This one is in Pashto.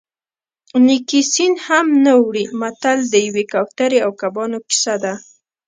نیکي سین هم نه وړي متل د یوې کوترې او کبانو کیسه ده